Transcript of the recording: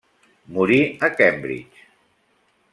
Morí a Cambridge.